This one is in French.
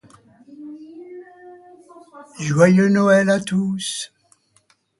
Joyeux Noël à tous !